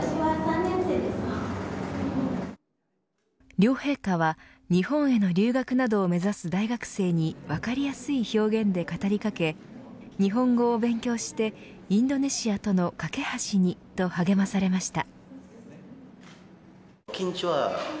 両陛下は日本への留学などを目指す大学生に分かりやすい表現で語りかけ日本語を勉強してインドネシアとの架け橋にと励まされました。